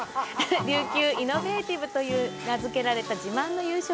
琉球イノベーティヴと名づけられた自慢の夕食。